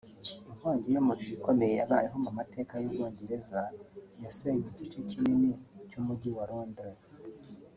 Inkongi y’umuriro ikomeye yabayeho mu mateka y’ubwongereza yasenye igice kinini cy’umujyi wa Londres